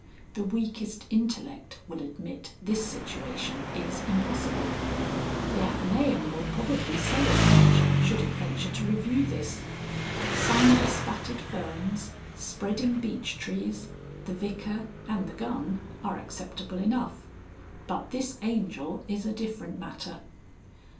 The weakest intellect will admit this situation is impossible. The Athenæum will probably say as much should it venture to review this. Sunbespattered ferns, spreading beech trees, the Vicar and the gun are acceptable enough. But this Angel is a different matter.